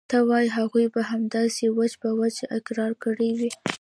ته وايې هغوى به همداسې وچ په وچه اقرار کړى وي.